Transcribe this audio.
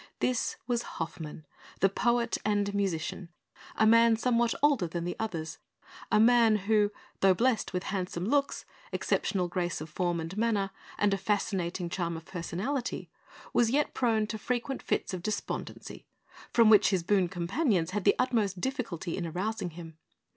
This was Hoffmann, the poet and musician, a man somewhat older than the others a man who, though blessed with handsome looks, exceptional grace of form and manner, and a fascinating charm of personality, was yet prone to frequent fits of despondency, from which his boon companions had the utmost difficulty in arousing him.